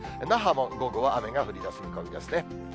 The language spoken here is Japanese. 那覇も午後は雨が降りだす見込みですね。